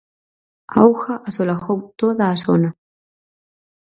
A auga asolagou toda a zona.